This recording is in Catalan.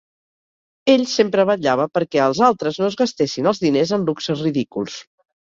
Ell sempre vetllava perquè els altres no es gastessin els diners en luxes ridículs.